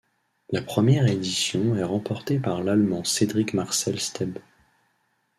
La première édition est remportée par l'Allemand Cedrik-Marcel Stebe.